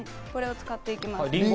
これを使っていきます。